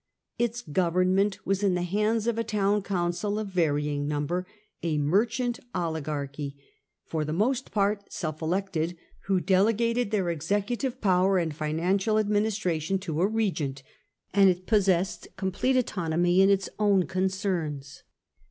Its government was in the hands of a town council of vary ing number, a merchant oligarchy, for the most part self elected, who delegated their executive power and financial administration to a * regent 1 ; and it possessed complete autonomy in its own concerns.